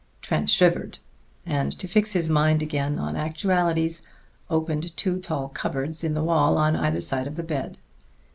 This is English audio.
Trent shivered, and to fix his mind again on actualities opened two tall cupboards in the wall on either side of the bed.